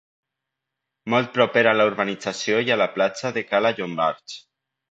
Molt propera a la urbanització i a la platja de Cala Llombards.